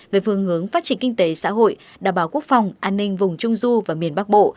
về phương hướng phát triển kinh tế xã hội đảm bảo quốc phòng an ninh vùng trung du và miền bắc bộ